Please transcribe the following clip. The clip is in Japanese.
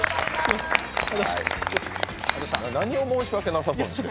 何を申し訳なさそうに。